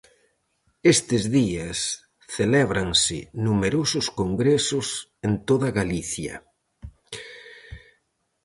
Estes días celébranse numerosos congresos en toda Galicia.